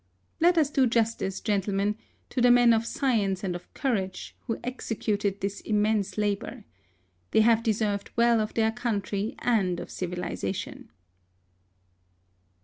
Let us do jus tice, gentlemen, to the men of science and of courage who executed this immense la bour. They have deserved well of their country and of civilisation.